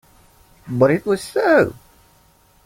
But it was so.